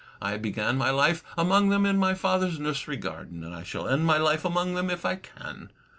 I began my life among them in my father's nursery garden, and I shall end my life among them if I can.